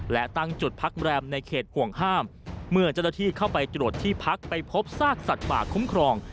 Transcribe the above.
และตั้งจุดพักแรมในเขตห่วงห้ามเมื่อเจ้าหน้าที่เข้าไปตรวจที่พักไปพบซากสัตว์ป่าคุ้มครอง